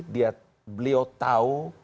dia beliau tahu